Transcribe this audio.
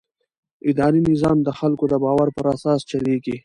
اداري نظام د خلکو د باور پر اساس چلېږي.